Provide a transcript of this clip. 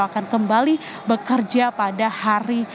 akan kembali bekerja pada hari